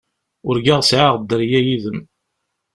Urgaɣ sɛiɣ dderya yid-m.